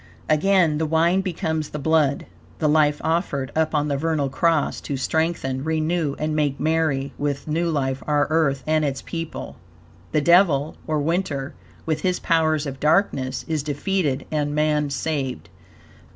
Again, the wine becomes the blood the life offered up on the vernal cross to strengthen, renew and make merry with new life our Earth and its people. The devil (or winter), with his powers of darkness, is defeated and man saved.